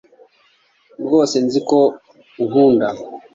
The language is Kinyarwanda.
Rwose Nzi ko unkunda